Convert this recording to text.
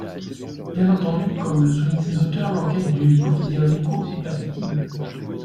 Bien entendu, comme le soulignent ses auteurs, l’enquête du quotidien L’Écho est perfectible.